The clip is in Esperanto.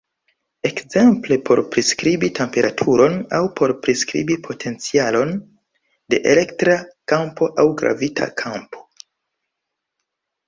Ekzemple por priskribi temperaturon, aŭ por priskribi potencialon de elektra kampo aŭ gravita kampo.